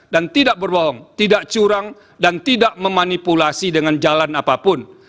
dan tidak berbohong tidak curang dan tidak memanipulasi dengan jalan apapun